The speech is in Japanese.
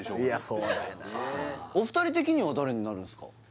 そうだよなお二人的には誰になるんすか？